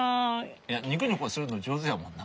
いやニコニコするの上手やもんな。